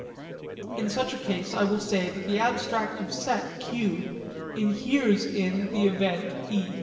In such a case I will say that the abstractive set q 'inheres in' the event e.